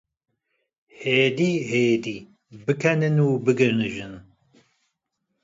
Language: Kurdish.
Hêdî hêdî bi kenin û bi girnijin.